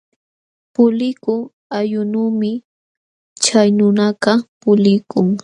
Pulikuq allqunuumi chay nunakaq pulikun.